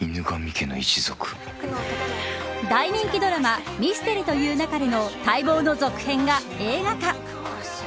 大人気ドラマミステリと言う勿れの待望の続編が映画化。